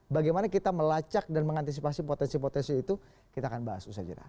bagaimana kita melacak dan mengantisipasi potensi potensi itu kita akan bahas usaha jenah